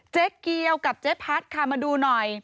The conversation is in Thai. เจ๊เกียวกับเจ๊พัดค่ะมาดูหน่อย